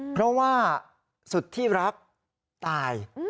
เพราะว่าสุธิรักตาย